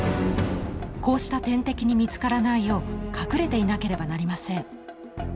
こうした天敵に見つからないよう隠れていなければなりません。